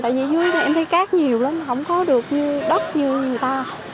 tại vì dưới này em thấy cát nhiều lắm không có được như đất như người ta